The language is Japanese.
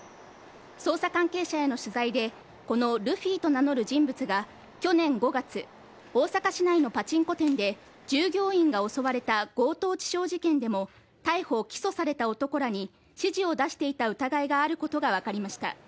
捜査関係者への取材で、このルフィと名乗る人物が去年５月、大阪市内のパチンコ店で従業員が襲われた強盗致傷事件でも逮捕・起訴された男らに指示を出していた疑いがあることがわかりました。